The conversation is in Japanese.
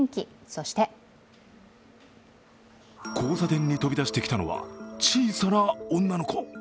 そして交差点に飛び出してきたのは、小さな女の子。